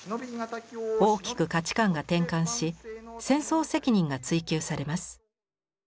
大きく価値観が転換し戦争責任が追及されます。